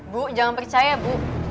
bu jangan percaya bu